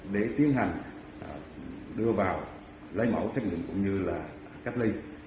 để tiến hành đưa vào lấy mẫu xét nghiệm cũng như là cách ly